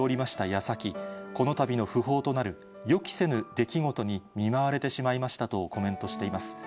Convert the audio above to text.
やさき、このたびの訃報となる予期せぬ出来事に見舞われてしまいましたとコメントしています。